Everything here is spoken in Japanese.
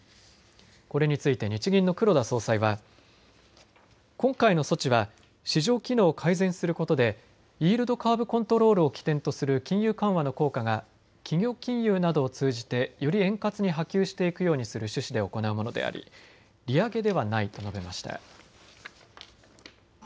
これについて日銀の黒田総裁は今回の措置は市場機能を改善することでイールドカーブコントロールを起点とする金融緩和の効果が企業金融などを通じてより円滑に波及していくようにする趣旨で行うものであり、利上げではないと述べました。